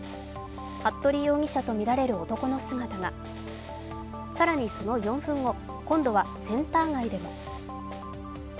服部容疑者とみられる男の姿が更にその４分後、今度はセンター街でも。